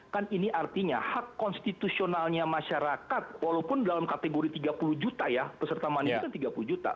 kan ini artinya hak konstitusionalnya masyarakat walaupun dalam kategori rp tiga puluh ya peserta manis kan rp tiga puluh